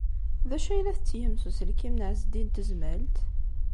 D acu ay la tettgem s uselkim n Ɛezdin n Tezmalt?